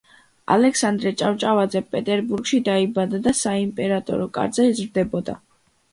ალექსანდრე ჭავჭავაძე პეტერბურგში დაიბადა და საიმპერატორო კარზე იზრდებოდა.